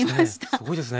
すごいですね。